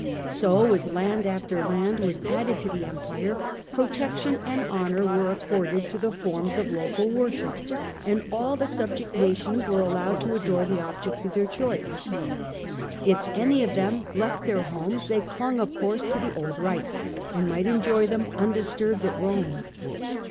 So as land after land was added to the Empire, protection and honour were accorded to the forms of local worship, and all the subject nations were allowed to adore the objects of their choice. If any of them left their homes, they clung, of course, to the old rites, and might enjoy them undisturbed at Rome.